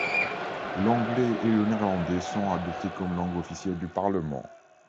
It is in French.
L’anglais et le néerlandais sont adoptées comme langues officielles du parlement.